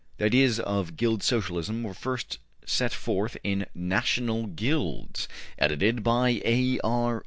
The ideas of Guild Socialism were first set forth in ``National Guilds,'' edited by A. R.